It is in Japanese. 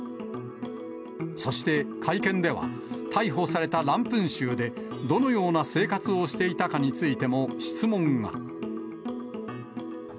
そして、会見では、逮捕されたランプン州でどのような生活をしていたかについても質問が。